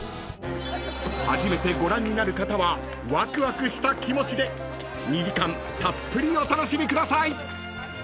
［初めてご覧になる方はわくわくした気持ちで２時間たっぷりお楽しみください］